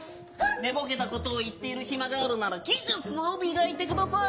寝ぼけたことを言っている暇があるなら技術を磨いてください。